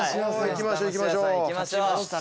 行きましょう行きましょう。